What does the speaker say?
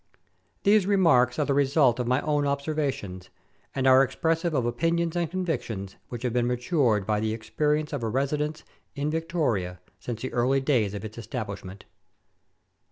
These remarks are the result of my own observations, and are expressive of opinions and convictions which have been matured by the experience of a residence in Victoria since the early years of its establishment.